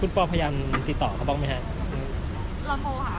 คุณคุณพ่อพยายามติดต่อเขาบ้างไหมฮะเราโทรหาเขาแล้วหาเขา